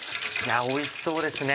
おいしそうですね。